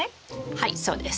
はいそうです。